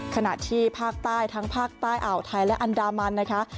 ขณะที่ภาคใต้ทั้งภาคใต้อ่าวไทยและอันดามันนะคะ